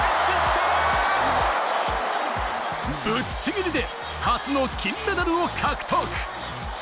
ぶっちぎりで初の金メダルを獲得。